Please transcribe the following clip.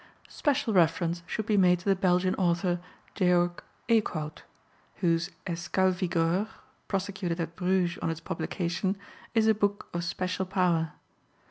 Special reference should be made to the Belgian author George Eekhoud, whose Escal Vigor (prosecuted at Bruges on its publication) is a book of special power.